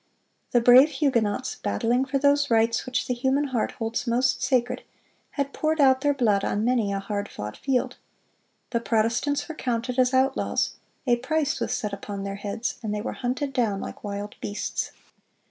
The brave Huguenots, battling for those rights which the human heart holds most sacred, had poured out their blood on many a hard fought field. The Protestants were counted as outlaws, a price was set upon their heads, and they were hunted down like wild beasts.